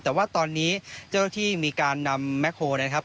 แต่ว่าตอนนี้เจ้าหน้าที่มีการนำแมคโฮลนะครับ